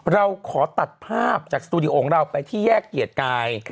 เราขอตัดภาพจากสตูดิโอของเราไปที่แยกเกียรติกาย